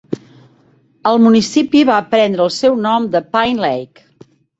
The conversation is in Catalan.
El municipi va prendre el seu nom de Pine Lake.